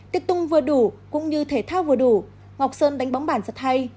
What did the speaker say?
tiếc tung vừa đủ cũng như thể thao vừa đủ ngọc sơn đánh bóng bản rất hay